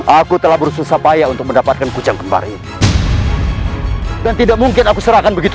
aku telah bersusah payah untuk mendapatkan kucang kemarin dan tidak mungkin aku serahkan begitu